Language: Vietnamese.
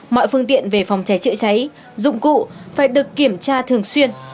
mọi phương tiện về phòng cháy chữa cháy dụng cụ phải được kiểm tra thường xuyên